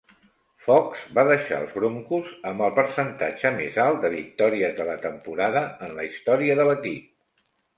Fox va deixar els Broncos amb el percentatge més alt de victòries de la temporada en la història de l'equip.